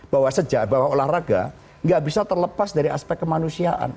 bahwa olahraga nggak bisa terlepas dari aspek kemanusiaan